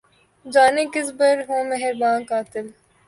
جانے کس پر ہو مہرباں قاتل